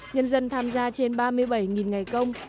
nhân dân tham gia trên ba mươi bảy ngày công